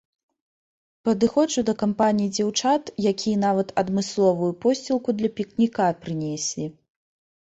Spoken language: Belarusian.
Падыходжу да кампаніі дзяўчат, якія нават адмысловую посцілку для пікніка прынеслі.